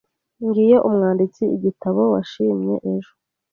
Ngiyo umwanditsi igitabo washimye ejo.